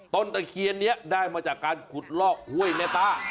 ตะเคียนนี้ได้มาจากการขุดลอกห้วยแม่ต้า